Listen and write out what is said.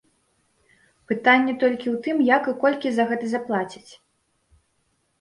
Пытанне толькі ў тым, як і колькі за гэта заплацяць?